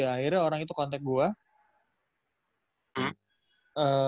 akhirnya orang itu kontak gue